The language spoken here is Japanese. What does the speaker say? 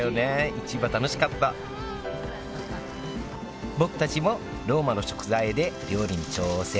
市場楽しかった僕たちもローマの食材で料理に挑戦。